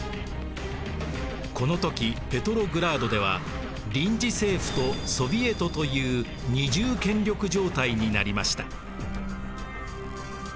この時ペトログラードでは臨時政府とソヴィエトという二重権力状態になりました。